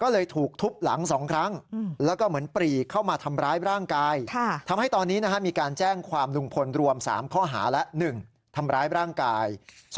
เลยถูกทุบหลังสองครั้งแล้วก็เหมือนปลีเอี้เข้ามาทำร้ายร่างกาย